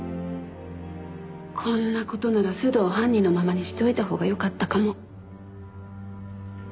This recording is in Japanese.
こんな事なら須藤を犯人のままにしておいたほうがよかったかも。